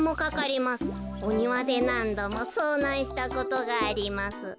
おにわでなんどもそうなんしたことがあります」。